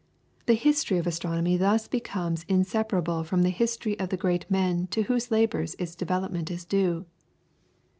The history of astronomy thus becomes inseparable from the history of the great men to whose labours its development is due.